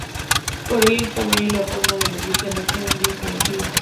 Por ello, el tamaño y la forma de la órbita no son bien conocidas.